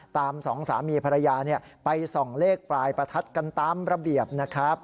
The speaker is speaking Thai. สองสามีภรรยาไปส่องเลขปลายประทัดกันตามระเบียบนะครับ